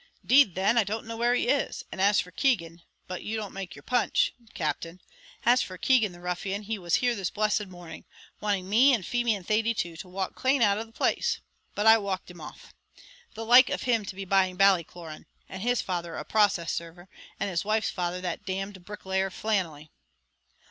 'Deed then, I don't know where he is. And as for Keegan but you don't make your punch, Captain as for Keegan, the ruffian, he was here this blessed morning, wanting me, and Feemy, and Thady too, to walk clane out of the place! but I walked him off. The like of him to be buying Ballycloran; and his father a process server, and his wife's father that d d bricklayer Flannelly!"